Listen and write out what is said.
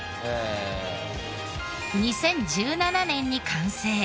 ２０１７年に完成。